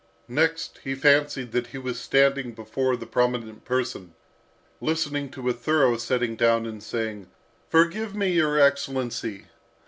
Next he fancied that he was standing before the prominent person, listening to a thorough setting down and saying, "Forgive me, your excellency!"